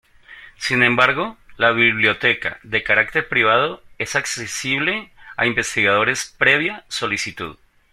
Sin embargo, la biblioteca, de carácter privado, es accesible a investigadores previa solicitud.